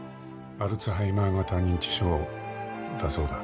アルツハイマー型認知症だそうだ。